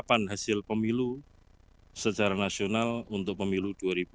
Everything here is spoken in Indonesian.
persiapan hasil pemilu secara nasional untuk pemilu dua ribu dua puluh